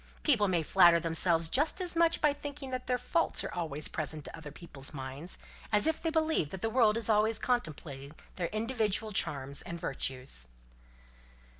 People may flatter themselves just as much by thinking that their faults are always present to other people's minds, as if they believe that the world is always contemplating their individual charms and virtues."